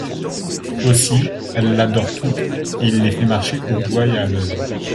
Aussi, elles l'adorent toutes, et il les fait marcher au doigt et à l'oeil …